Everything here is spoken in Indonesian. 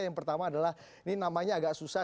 yang pertama adalah ini namanya agak susah